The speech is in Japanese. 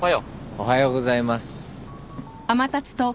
おはようございます。